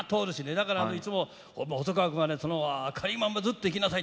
だからいつも、細川君は明るいままずっといきなさい。